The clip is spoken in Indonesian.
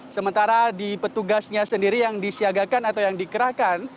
sementara di petugasnya sendiri yang disiagakan atau yang dikerahkan